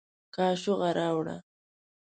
کاشوغه راوړه